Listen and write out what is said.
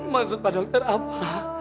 maksud pak dokter apa